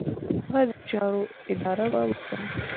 هغه د چارو اداره به وسپاري.